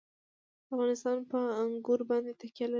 افغانستان په انګور باندې تکیه لري.